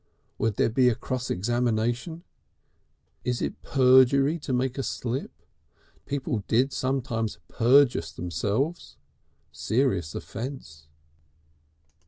Would there be a cross examination? Is it perjoocery to make a slip? People did sometimes perjuice themselves. Serious offence.